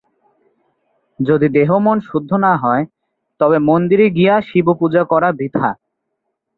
যদি দেহ-মন শুদ্ধ না হয়, তবে মন্দিরে গিয়া শিবপূজা করা বৃথা।